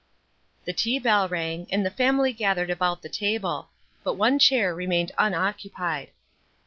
The tea bell rang, and the family gathered about the table; but one chair remained unoccupied.